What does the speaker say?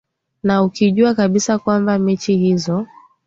na ukijua kabisa kwamba mechi hizi